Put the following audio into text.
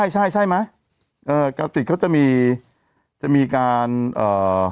ใช่ใช่ไหมเอ่อกระติกเขาจะมีจะมีการเอ่อ